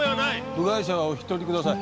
部外者はお引き取りください。